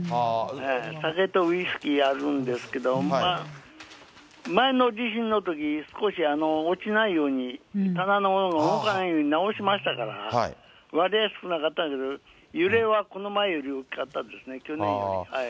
酒とウイスキーあるんですけども、まあ、前の地震のとき、少し落ちないように、棚のものが動かないように直しましたから、割合少なかったですけれども、揺れはこの前より大きかったですね、去年より。